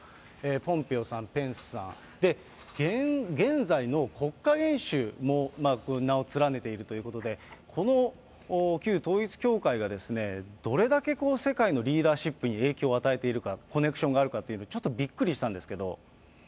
ポンペオさん、ペンスさん、で、現在の国家元首も名を連ねているということで、この旧統一教会がどれだけ世界のリーダーシップに影響を与えているか、コネクションがあるかというの、ちょっとびっくりしたんですけど。